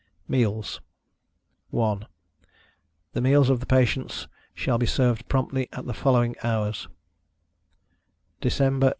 MEALS. 1. The meals of the patients shall be served promptly at the following hours: _Breakfast.